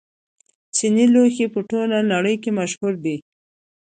چیني لوښي په ټوله نړۍ کې مشهور دي.